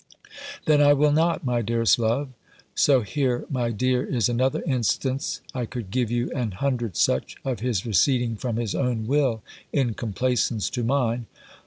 "Then I will not, my dearest love." (So here, my dear, is another instance I could give you an hundred such of his receding from his own will, in complaisance to mine.)